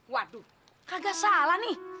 waduh kagak salah nih